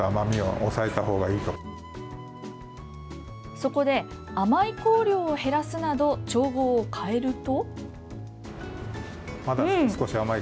そこで甘い香料を減らすなど、調合を変えると。